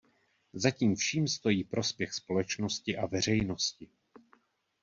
Za tím vším stojí prospěch společnosti a veřejnosti.